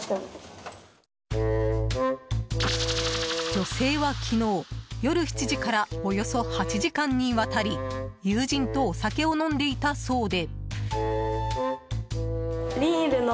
女性は昨日夜７時からおよそ８時間にわたり友人とお酒を飲んでいたそうで。